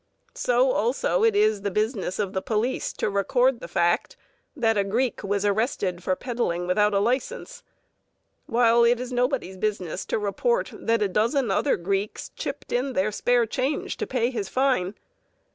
So also it is the business of the police to record the fact that a Greek was arrested for peddling without a license, while it is nobody's business to report that a dozen other Greeks chipped in their spare change to pay his fine.